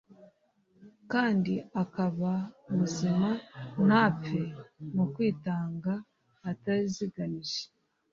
kandi akaba muzima ntapfe. Mu kwitanga ataziganije,